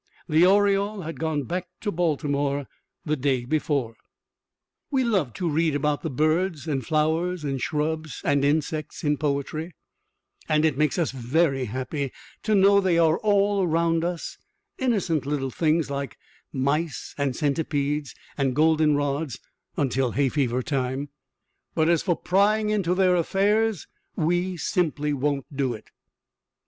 The oriole had gone back to Baltimore the day before. We love to read about the birds and flowers and shrubs and insects in poetry, and it makes us very happy to know they are all round us, innocent little things like mice and centipedes and goldenrods (until hay fever time), but as for prying into their affairs we simply won't do it.